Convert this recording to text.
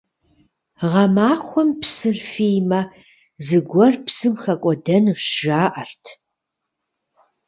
Гъэмахуэм псыр фиймэ, зыгуэр псым хэкӀуэдэнущ, жаӀэрт.